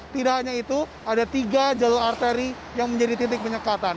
tidak hanya itu ada tiga jalur arteri yang menjadi titik penyekatan